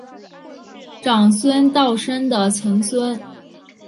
长孙道生的曾孙。